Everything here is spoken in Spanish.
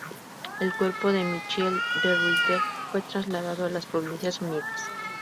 El cuerpo de Michiel de Ruyter fue trasladado a las Provincias Unidas.